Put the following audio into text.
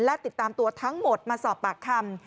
และติดตามตัวทั้งหมดมาสอบปากคำ